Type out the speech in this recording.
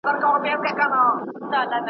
چي دي سرې اوښکي رواني تر ګرېوانه `